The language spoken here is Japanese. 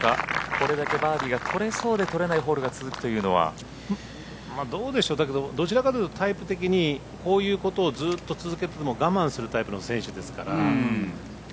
これだけバーディーが取れそうで取れないホイールがどちらかというとタイプ的にこういうことをずっと続けていても我慢するタイプの選手ですから。